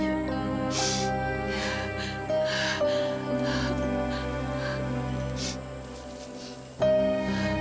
saat beliau di panggilan